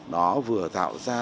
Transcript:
nó vừa tạo ra